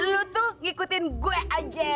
lu tuh ngikutin gue aja